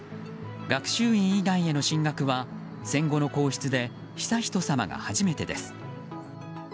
学習院以外への進学は戦後の皇室で悠仁さまが初めてです。